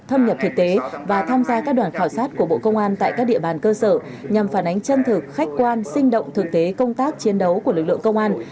thâm nhập thực tế và tham gia các đoàn khảo sát của bộ công an tại các địa bàn cơ sở nhằm phản ánh chân thực khách quan sinh động thực tế công tác chiến đấu của lực lượng công an